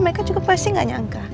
mereka juga pasti nggak nyangka